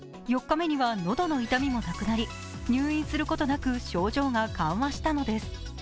４日目には喉の痛みもなくなり、入院することなく症状が緩和したのです。